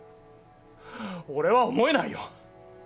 俺は思えないよ。